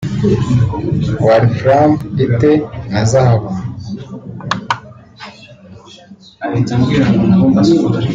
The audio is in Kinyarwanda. Walfram(ite) na Zahabu